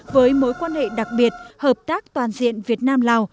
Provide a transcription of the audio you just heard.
với mối quan hệ đặc biệt hợp tác toàn diện việt nam lào